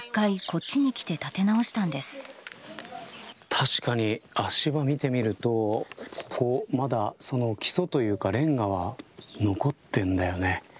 確かに、足場を見てみるとここ、まだ基礎というかレンガは残ってるんだよね。